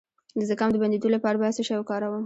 د زکام د بندیدو لپاره باید څه شی وکاروم؟